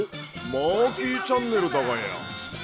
マーキーチャンネルだがや。